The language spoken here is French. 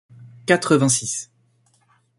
quatre-vingt-six